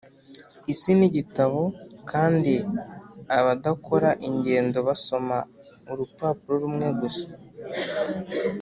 isi nigitabo kandi abadakora ingendo basoma urupapuro rumwe gusa.